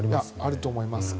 あると思います。